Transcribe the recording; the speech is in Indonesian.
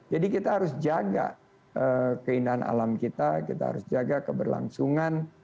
jadi kita harus jaga keindahan alam kita kita harus jaga keberlangsungan